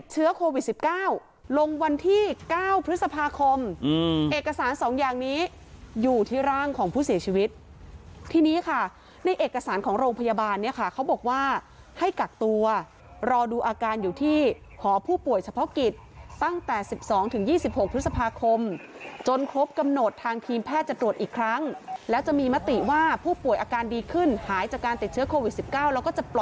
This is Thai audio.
เชื้อโควิด๑๙ลงวันที่๙พฤษภาคมเอกสาร๒อย่างนี้อยู่ที่ร่างของผู้เสียชีวิตทีนี้ค่ะในเอกสารของโรงพยาบาลเนี่ยค่ะเขาบอกว่าให้กักตัวรอดูอาการอยู่ที่หอผู้ป่วยเฉพาะกิจตั้งแต่๑๒๒๖พฤษภาคมจนครบกำหนดทางทีมแพทย์จะตรวจอีกครั้งแล้วจะมีมติว่าผู้ป่วยอาการดีขึ้นหายจากการติดเชื้อโควิด๑๙แล้วก็จะปล